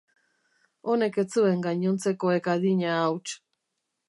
Honek ez zuen gainontzekoek adina hauts.